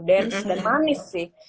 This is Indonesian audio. dense dan manis sih